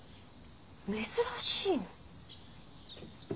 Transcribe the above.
珍しいな。